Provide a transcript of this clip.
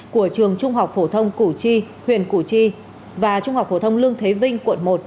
của trường trung học phổ thông củ chi huyện củ chi và trung học phổ thông lương thế vinh quận một